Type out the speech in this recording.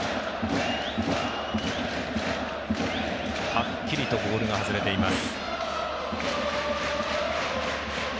はっきりとボールが外れています。